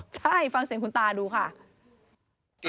ใช่ฟังเสียงคุณตาดูค่ะ